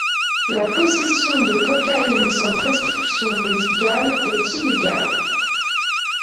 La possession de cocaïne sans prescription médicale est illégale.